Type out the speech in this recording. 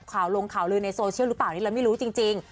ข่าวลงข่าวลือในโซเชียลหรือเปล่านี่เราไม่รู้จริง